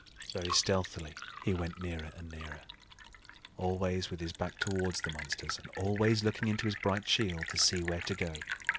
Very stealthily he went nearer and nearer, always with his back towards the monsters and always looking into his bright shield to see where to go.